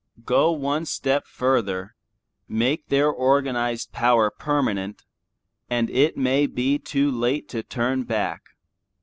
Go one step further, make their organized power permanent, and it may be too late to turn back.